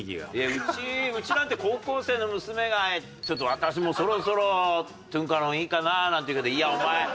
うちうちなんて高校生の娘が「ちょっと私もそろそろトゥンカロンいいかな？」なんて言うけど「いやお前まだ早いよ」っつってさ。